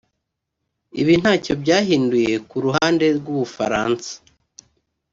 Ibi ntacyo byahinduye ku ruhande rw’ubufaransa